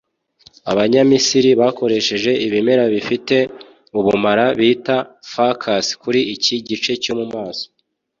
Abanyamisiri bakoresheje ibimera bifite ubumara bita fucus kuri iki gice cyo mumaso